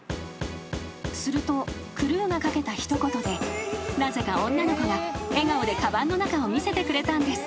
［するとクルーが掛けた一言でなぜか女の子が笑顔でかばんの中を見せてくれたんです］